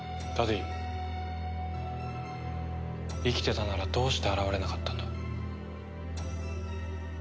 生きてたならどうして現れなかったんだ？